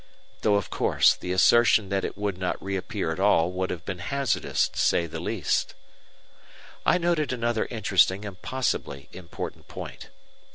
Though, of course, the assertion that it would not reappear at all would have been hazardous, to say the least. I noted another interesting and possibly important point.